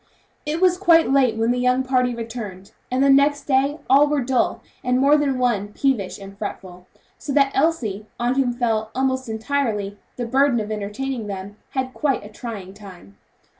It was quite late when the young party returned, and the next day all were dull, and more than one peevish and fretful; so that Elsie, on whom fell, almost entirely, the burden of entertaining them, had quite a trying time.